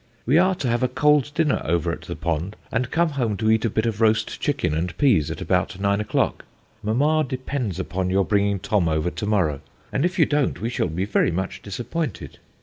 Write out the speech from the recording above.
We are to have a cold dinner over at the pond, and come home to eat a bit of roast chicken and peas at about nine o'clock. Mama depends upon your bringing Tom over to morrow, and if you don't we shall be very much disappointed.